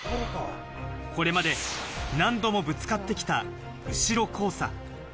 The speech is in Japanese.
これまで何度もぶつかってきた後ろ交差。